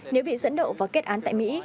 nếu bị dẫn độ vào kết án tại mỹ